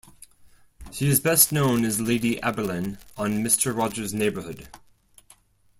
She is best known as "Lady Aberlin" on "Mister Rogers' Neighborhood".